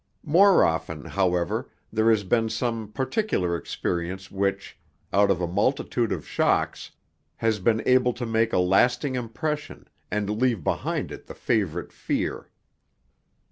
More often, however, there has been some particular experience which, out of a multitude of shocks, has been able to make a lasting impression, and leave behind it the favourite fear.